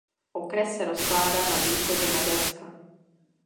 Okres se rozkládá na východě Maďarska.